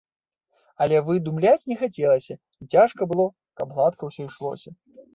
Але выдумляць не хацелася, і цяжка было, каб гладка ўсё ішлося.